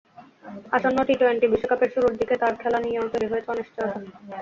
আসন্ন টি-টোয়েন্টি বিশ্বকাপের শুরুর দিকে তাঁর খেলা নিয়েও তৈরি হয়েছে অনিশ্চয়তা।